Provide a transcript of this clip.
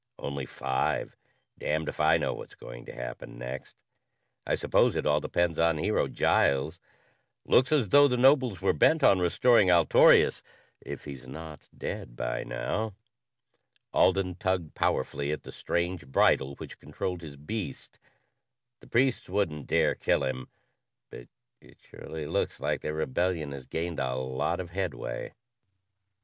"Only five. Damned if I know what's going to happen next. I suppose it all depends on Hero Giles. Looks as though the nobles were bent on restoring Altorius if he's not dead by now." Alden tugged powerfully at the strange bridle which controlled his beast. "The priests wouldn't dare kill him, but it surely looks like their rebellion has gained a lot of headway."